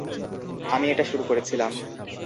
আমি এটা শুরু করেছিলাম।